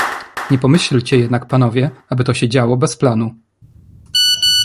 "Nie pomyślcie jednak panowie, aby się to działo bez planu."